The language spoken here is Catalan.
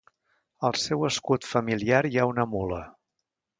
Al seu escut familiar hi ha una mula.